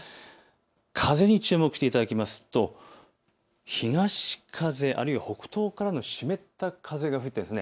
風に注目していただきますと東風、あるいは北東からの湿った風が吹いているんです。